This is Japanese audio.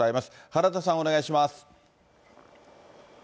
原田さん、お願いします。